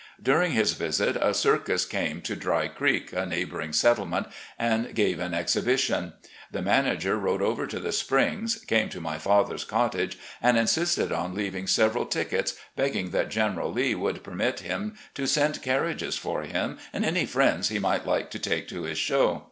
During his visit, a circus came to "Dry Creek," a neighbouring settlement, and gave an exhibition. The manager rode over to the Springs, came to my father's cottage, and insisted on leaving several tickets, begging that General Lee would permit him to send carriages for him and any friends he might like to take to his show.